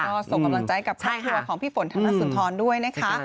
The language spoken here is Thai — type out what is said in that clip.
ก็ส่งกำลังใจกับครอบครัวของพี่ฝนธนสุนทรด้วยนะคะ